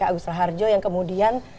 agus raharjo yang kemudian